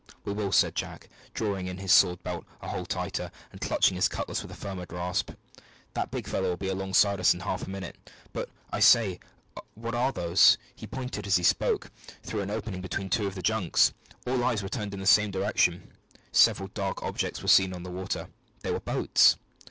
"We will," said Jack, drawing in his sword belt a hole tighter, and clutching his cutlass with a firmer grasp. "That big fellow will be alongside us in half a minute. But, I say, what are those?" He pointed, as he spoke, through an opening between two of the junks. All eyes were turned in the same direction. Several dark objects were seen on the water. They were boats.